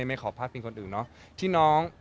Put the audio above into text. ไม่ขอพลาดพิงคนอื่นเนาะที่น้อง